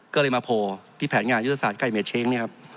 ก็เลยมาโผล่ที่แผนงานยุทธศาสตร์คายเม็ดเช้ง